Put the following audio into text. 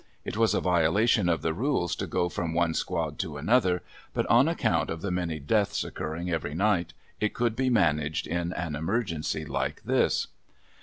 It was a violation of the rules to go from one squad to another, but on account of the many deaths occurring every night it could be managed in an emergency like this.